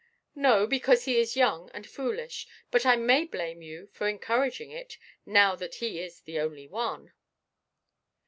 "No, because he is young and foolish; but I may blame you for encouraging it, now that he is the only one."